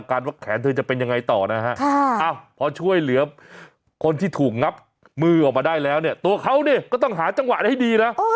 คนที่ถูกงับมือออกมาได้แล้วเนี่ยตัวเขาเนี่ยก็ต้องหาจังหวะได้ให้ดีนะ